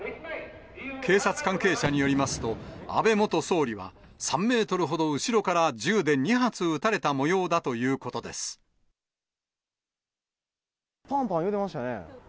警察関係者によりますと、安倍元総理は３メートルほど後ろから、銃で２発撃たれたもようだぱんぱんいうてましたね。